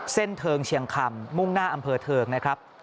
เทิงเชียงคำมุ่งหน้าอำเภอเทิงนะครับ